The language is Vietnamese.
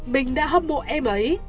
mình đã hâm mộ em ấy